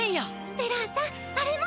ブランさんあれも。